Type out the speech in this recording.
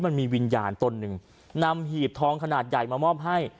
มันมีต้นนึงนำหีบท้องขนาดใหญ่มามอบให้